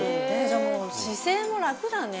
じゃあもう姿勢もラクだね。